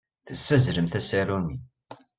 Tessazzlemt asaru-nni.